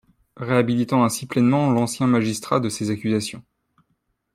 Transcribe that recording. Réhabilitant ainsi pleinement l'ancien magistrat de ces accusations.